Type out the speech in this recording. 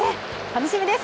楽しみです。